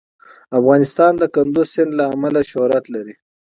افغانستان د کندز سیند له امله شهرت لري.